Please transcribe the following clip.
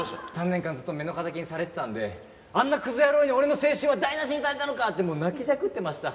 ３年間ずっと目の敵にされてたんで「あんなクズ野郎に俺の青春は台無しにされたのか！」ってもう泣きじゃくってました。